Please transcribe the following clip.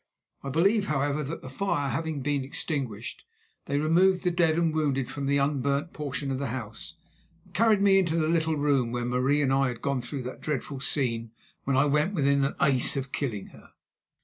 I believe, however, that the fire having been extinguished, they removed the dead and wounded from the unburnt portion of the house and carried me into the little room where Marie and I had gone through that dreadful scene when I went within an ace of killing her.